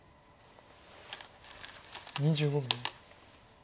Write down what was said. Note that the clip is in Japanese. ２５秒。